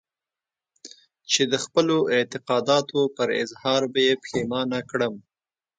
چې د خپلو اعتقاداتو پر اظهار به يې پښېمانه کړم.